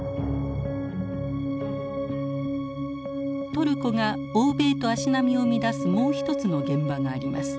トルコが欧米と足並みを乱すもう一つの現場があります。